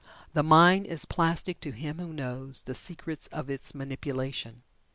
The mind is plastic to him who knows the secret of its manipulation.